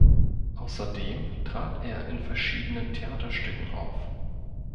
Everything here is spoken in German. Außerdem trat er in verschiedenen Theaterstücken auf.